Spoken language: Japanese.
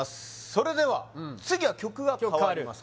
それでは次は曲が変わります